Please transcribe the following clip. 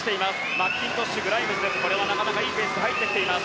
マッキントッシュグライムズこれはなかなかいいペースで入ってきています。